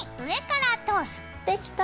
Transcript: できた！